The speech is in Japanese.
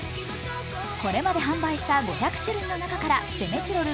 これまで販売した５００種類の中から攻めチロル